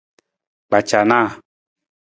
Kpacanaa.